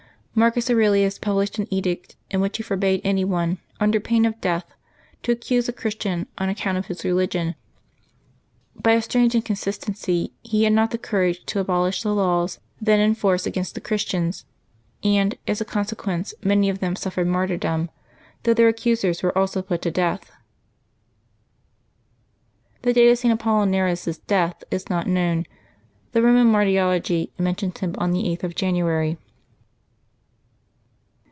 Marcus Aurelius published an edict in which he forbade any one, under pain of death, to accuse a Christian on account of his religion ; by a strange incon sistency, he had not the courage to abolish the laws then in force against the Christians, and, as a consequence, many of them suffered martyrdom, though their accusers were also put to death. The date of St. Apollinaris' death is not known; the Eoman Martyrology mentions him on the 8th of January.